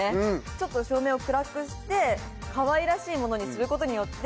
ちょっと照明を暗くしてかわいらしいものにすることによって。